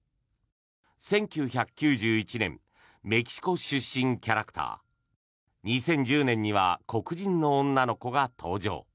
１９９１年メキシコ出身キャラクター２０１０年には黒人の女の子が登場。